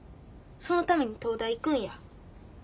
そのために東大行くんや。